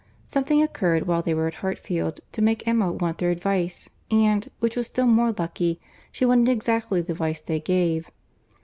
Something occurred while they were at Hartfield, to make Emma want their advice; and, which was still more lucky, she wanted exactly the advice they gave.